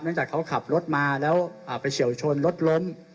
จากเขาขับรถมาแล้วไปเฉียวชนรถล้ม